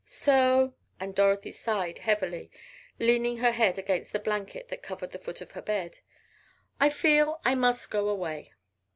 So," and Dorothy sighed heavily, leaning her head against the blanket that covered the foot of her bed, "I feel I must go away!"